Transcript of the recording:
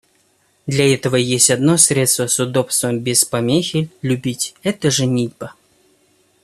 Для этого есть одно средство с удобством без помехи любить — это женитьба.